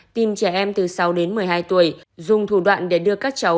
tìm trẻ em từ sáu đến một mươi hai tuổi dùng thủ đoạn để đưa các cháu